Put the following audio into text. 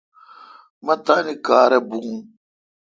مہ تانی کار بھو۔